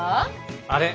あれ？